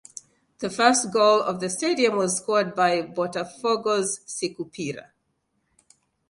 The first goal of the stadium was scored by Botafogo's Sicupira.